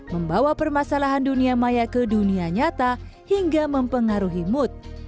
membawa permasalahan dunia maya ke dunia nyata hingga mempengaruhi mood